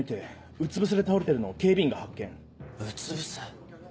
うつ伏せ？